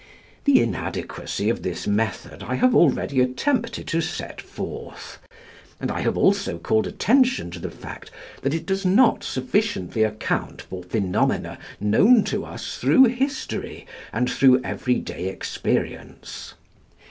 The inadequacy of this method I have already attempted to set forth; and I have also called attention to the fact that it does not sufficiently account for phenomena known to us through history and through every day experience.